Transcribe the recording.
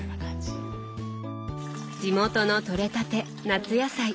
地元の取れたて夏野菜。